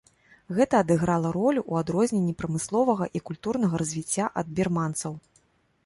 Гэта адыграла ролю ў адрозненні прамысловага і культурнага развіцця ад бірманцаў.